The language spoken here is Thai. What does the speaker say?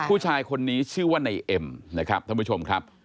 ผู้ชายคนนี้ชื่อว่าในเอ็มนะครับท่านผู้ชมครับ